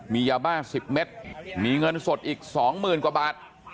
มียาบ้า๑๐เมตรมีเงินสดอีก๒๐๐๐กว่าบาท